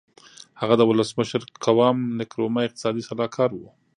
هغه د ولسمشر قوام نکرومه اقتصادي سلاکار و.